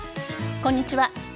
こんにちは。